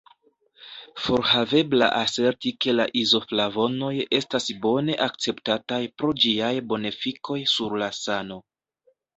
Forhavebla aserti ke la izoflavonoj estas bone akceptataj pro ĝiaj bonefikoj sur la sano.